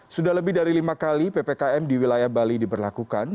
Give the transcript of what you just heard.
sudah lebih dari lima kali ppkm di wilayah bali diberlakukan